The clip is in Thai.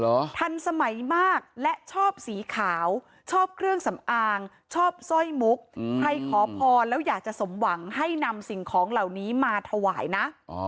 ทันสมัยมากและชอบสีขาวชอบเครื่องสำอางชอบสร้อยมุกใครขอพรแล้วอยากจะสมหวังให้นำสิ่งของเหล่านี้มาถวายนะ